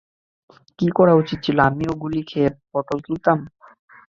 কী করা উচিত ছিল, আমিও গুলি খেয়ে পটল তুলতাম?